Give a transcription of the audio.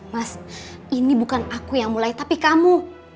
mas ini bukan aku yang mulai tapi kamu